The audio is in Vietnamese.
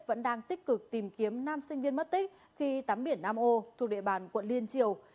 vẫn đang tích cực tìm kiếm năm sinh viên mất tích khi tắm biển nam ô thuộc địa bàn quận liên triều